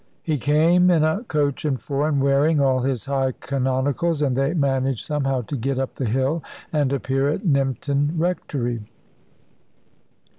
He came in a coach and four, and wearing all his high canonicals, and they managed somehow to get up the hill, and appear at Nympton Rectory.